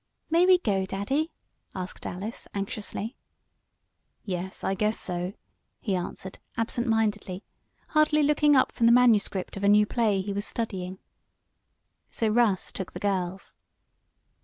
"May we go, Daddy?" asked Alice, anxiously. "Yes, I guess so," he answered, absentmindedly, hardly looking up from the manuscript of a new play he was studying. So Russ took the girls.